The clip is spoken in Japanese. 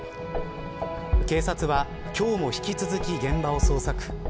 警察は今日も引き続き、現場を捜索。